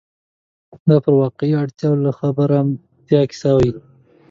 دا پر واقعي اړتیاوو له خبرتیا کیسه کوي.